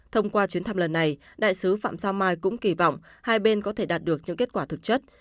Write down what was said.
thông qua chuyến thăm lần này đại sứ phạm sao mai cũng kỳ vọng hai bên có thể đạt được những kết quả thực chất